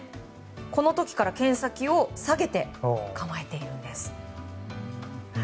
この時から剣先を下げて構えているんです。